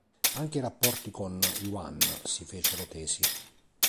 Anche i rapporti con Yuan si fecero tesi.